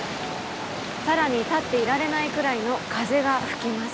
更に立っていられないくらいの風が吹きます。